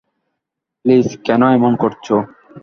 Please, কেন এমন করছো?